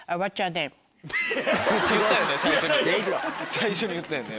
最初に言ったよね。